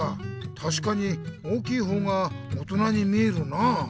たしかに大きい方が大人に見えるな。